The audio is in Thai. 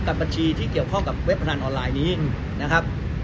บัญชีที่เกี่ยวข้องกับเว็บพนันออนไลน์นี้นะครับ